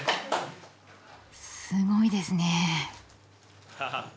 すごいですねえ。